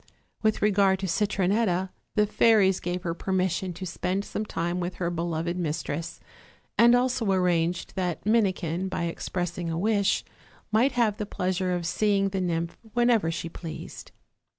With regard to Citronetta, the fairies gave her permission to spend some time with her beloved mistress, and also arranged that Minikin, by expressing a wish, might have the pleasure of seeing the nymph whenever she pleased.